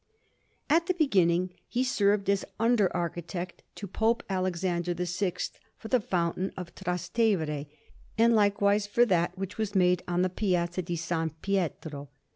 At the beginning he served as under architect to Pope Alexander VI for the fountain of Trastevere, and likewise for that which was made on the Piazza di S. Pietro.